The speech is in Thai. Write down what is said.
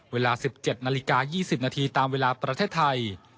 เวลา๑๗นาฬิกา๒๐นาทีตามเวลาประเทศไทย